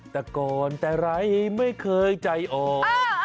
แต่ก่อนแต่ไรไม่เคยใจออก